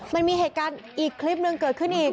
มันมีเหตุการณ์อีกคลิปหนึ่งเกิดขึ้นอีก